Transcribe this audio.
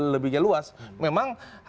lebihnya luas memang